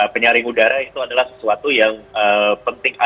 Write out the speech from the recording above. penyaring udara itu adalah sesuatu yang penting